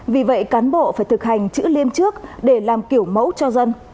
vì vậy cán bộ phải thực hành chữ liêm trước để làm kiểu mẫu cho dân